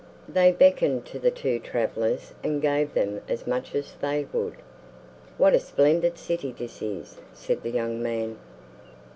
They beckoned to the two travelers and gave them as much as they would. "What a splendid city this is!" said the young man.